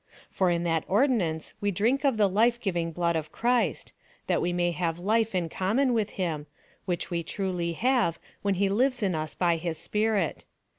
For in that ordinance we drink of the life giving blood of Christ, that we may have life in common with him — which we truly have, when he lives in us by his Spirit.